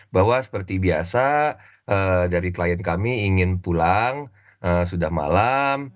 bahwa seperti biasa dari klien kami ingin pulang sudah malam